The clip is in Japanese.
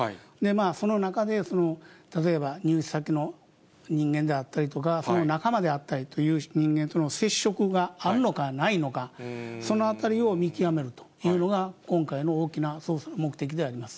その中で、例えば入手先の人間であったりとか、その仲間であったりという人間との接触があるのかないのか、そのあたりを見極めるというのが今回の大きな捜査の目的でありま